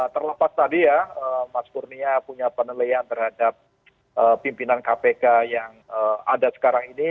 terlepas tadi ya mas kurnia punya penilaian terhadap pimpinan kpk yang ada sekarang ini